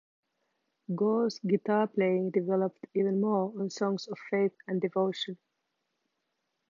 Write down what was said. Gore's guitar playing developed even more on "Songs of Faith and Devotion".